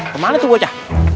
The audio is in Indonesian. kemana itu saya